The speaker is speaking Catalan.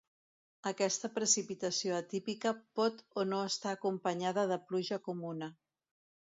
Aquesta precipitació atípica pot o no estar acompanyada de pluja comuna.